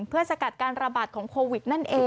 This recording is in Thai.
เพื่อสกัดการระบาดของโควิดนั่นเอง